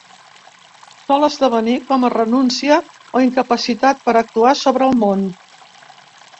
Sol esdevenir com a renúncia o incapacitat per actuar sobre el món.